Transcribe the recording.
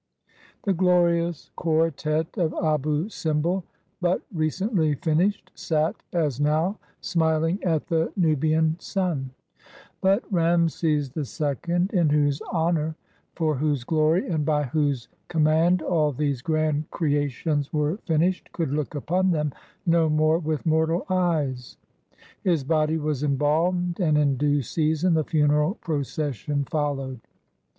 The glorious quartette of Abou Simbel, but recently J&nished, sat, as now, smiling at the Nubian sun. But Rameses II, in whose honor, for whose glory, and 163 EGYPT by whose command all these grand creations were fin ished, could look upon them no more with mortal eyes. His body was embalmed, and in due season the funeral procession followed.